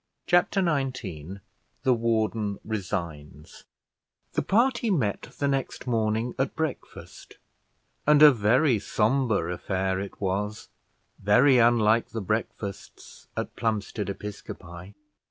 Chapter XIX THE WARDEN RESIGNS The party met the next morning at breakfast; and a very sombre affair it was, very unlike the breakfasts at Plumstead Episcopi.